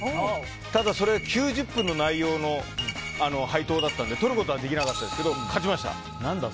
ただ９０分の内容の配当だったので配当だったのでとることはできなかったんですが勝ちました。